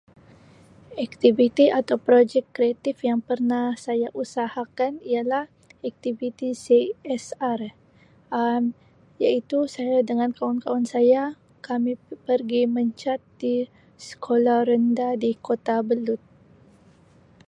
Aktiviti atau projek kreatif yang pernah saya usahakan ialah, aktiviti CSR Um iaitu saya dengan kawan kawan saya kami pergi mencat di sekolah rendah di kota belud